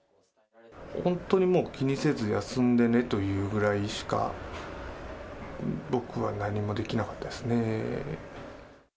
本当にもう気にせず休んでねと言うくらいしか、僕は何もできなかったですね。